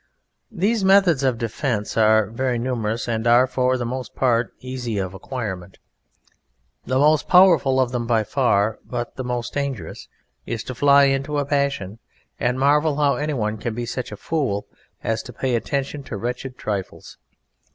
These methods of defence are very numerous and are for the most part easy of acquirement. The most powerful of them by far (but the most dangerous) is to fly into a passion and marvel how anyone can be such a fool as to pay attention to wretched trifles.